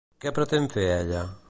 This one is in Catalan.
Què pretén fer ella?